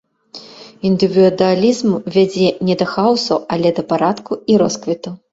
Індывідуалізм вядзе не да хаосу, але да парадку і росквіту.